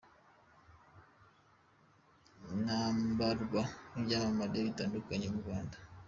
inambarwa n’ibyamamare bitandukanye mu Rwanda.